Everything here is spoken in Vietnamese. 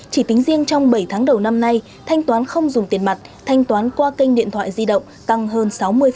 chỉ tính riêng trong bảy tháng đầu năm nay thanh toán không dùng tiền mặt thanh toán qua kênh điện thoại di động tăng hơn sáu mươi